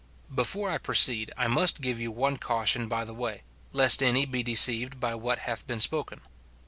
Before I proceed I must give you one caution by the way, lest any be deceived by what hath been spoken.